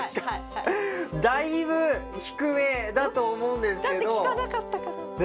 だいぶ低めだと思うんですけど。